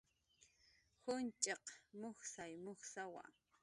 Junch'iq mujsay mujsawa